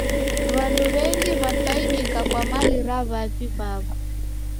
W'andu w'engi w'afaidika kwa mali ra w'avi w'aw'o.